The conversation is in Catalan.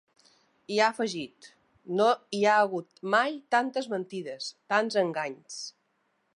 I ha afegit: No hi ha hagut mai tantes mentides, tants enganys.